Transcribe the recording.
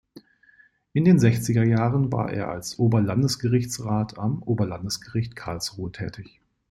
In den sechziger Jahren war er als Oberlandesgerichtsrat am Oberlandesgericht Karlsruhe tätig.